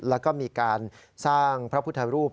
แล้วก็มีการสร้างพระพุทธรูป